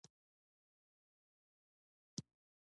د کار پیلولو څخه مخکې باید ګاونډیانو ته خبر ورکړل شي.